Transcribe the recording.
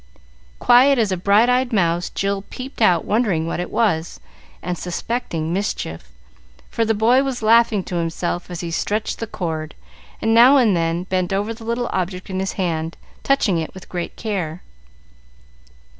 Quiet as a bright eyed mouse, Jill peeped out wondering what it was, and suspecting mischief, for the boy was laughing to himself as he stretched the cord, and now and then bent over the little object in his hand, touching it with great care.